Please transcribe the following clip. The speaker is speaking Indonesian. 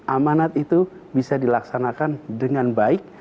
amanat itu bisa dilaksanakan dengan baik